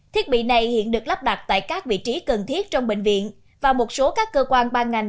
thiết bị này hiện được lắp đặt tại các vị trí cần thiết trong bệnh viện và một số các cơ quan ban ngành